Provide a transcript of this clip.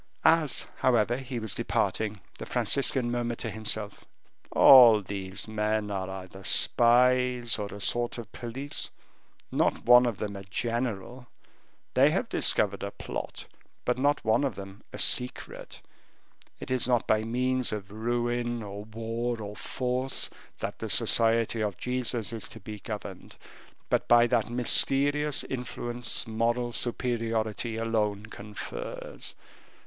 As, however, he was departing, the Franciscan murmured to himself: "All these men are either spies, or a sort of police, not one of them a general; they have all discovered a plot, but not one of them a secret. It is not by means of ruin, or war, or force, that the Society of Jesus is to be governed, but by that mysterious influence moral superiority alone confers.